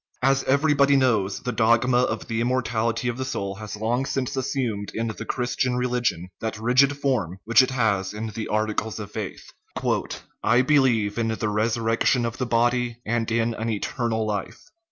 As everybody knows, the dogma of the immortality of the soul has long since assumed in the Christian religion that rigid form which it has in the articles of faith :" I believe in the resurrection of the body and in an eternal life."